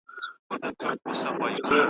په خپل وخت کي یې هم `